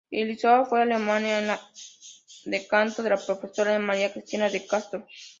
En Lisboa, fue alumna de canto de la profesora María Cristina de Castro.